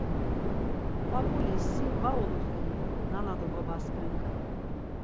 - P̌ap̌ul si va ulurt̆iyi nana do babaskani ǩala?